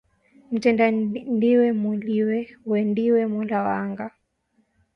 Mtenda ndiwe Moliwa, we ndiwe Mola wa anga